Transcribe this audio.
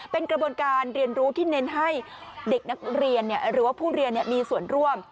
เป็นกระบวนการเรียนรู้ที่เน้นให้เด็กนักเรียนหรือว่าผู้เรียนมีส่วนร่วม